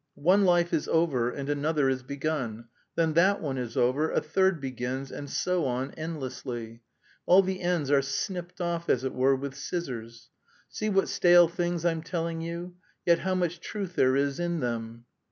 "One life is over and another is begun, then that one is over a third begins, and so on, endlessly. All the ends are snipped off as it were with scissors. See what stale things I'm telling you. Yet how much truth there is in them!"